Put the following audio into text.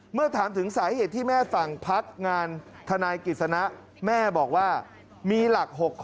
เมื่อถามถึงสาเหตุที่แม่สั่งพักงานทนายกิจสนะแม่บอกว่ามีหลัก๖ข้อ